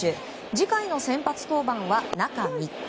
次回の先発登板は中３日。